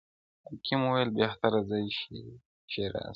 حاکم وویل بهتره ځای شېراز دئ٫